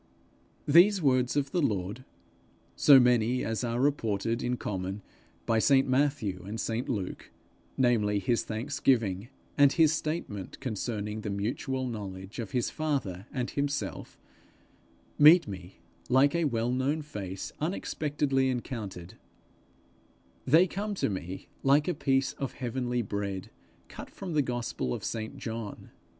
These words of the Lord so many as are reported in common by St Matthew and St Luke, namely his thanksgiving, and his statement concerning the mutual knowledge of his father and himself, meet me like a well known face unexpectedly encountered: they come to me like a piece of heavenly bread cut from the gospel of St John.